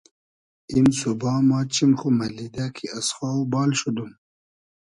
ایم سوبا ما چیم خو مئلیدۂ کی از خاو بال شودوم